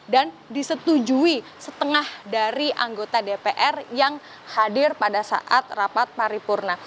dan disetujui setengah dari anggota dpr yang hadir pada saat rapat paripurna